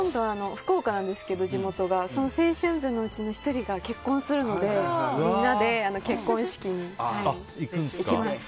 福岡なんですけど、地元が今度、その青春部のうちの１人が結婚するのでみんなで結婚式に行きます。